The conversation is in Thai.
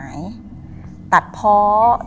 เอาดอกมะ